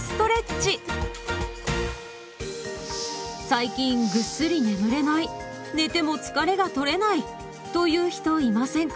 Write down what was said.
最近ぐっすり眠れない寝ても疲れがとれないという人いませんか？